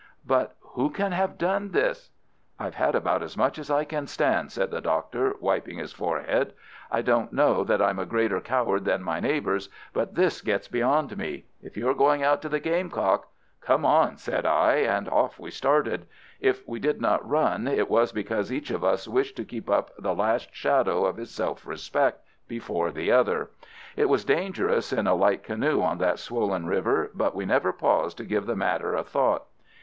"But who can have done this?" "I've had about as much as I can stand," said the Doctor, wiping his forehead. "I don't know that I'm a greater coward than my neighbours, but this gets beyond me. If you're going out to the Gamecock——" "Come on!" said I, and off we started. If we did not run it was because each of us wished to keep up the last shadow of his self respect before the other. It was dangerous in a light canoe on that swollen river, but we never paused to give the matter a thought.